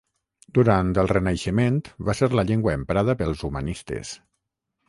Durant el Renaixement va ser la llengua emprada pels humanistes.